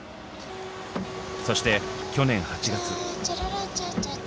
そして去年８月。